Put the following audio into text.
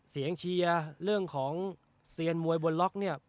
เชียร์เรื่องของเซียนมวยบนล็อกเนี่ย